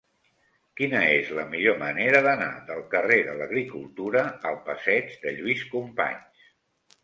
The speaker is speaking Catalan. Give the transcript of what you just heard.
Quina és la millor manera d'anar del carrer de l'Agricultura al passeig de Lluís Companys?